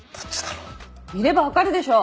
見ればわかるでしょ！